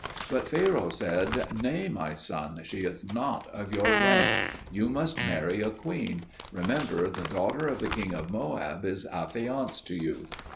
But Pharaoh said, "Nay, my son, she is not of your rank; you must marry a queen; remember, the daughter of the King of Moab is affianced to you."